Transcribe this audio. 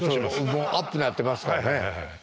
もうアップになってますからね。